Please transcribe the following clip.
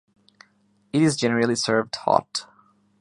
It is generally served hot.